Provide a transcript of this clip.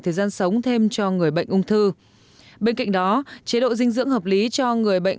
thời gian sống thêm cho người bệnh ung thư bên cạnh đó chế độ dinh dưỡng hợp lý cho người bệnh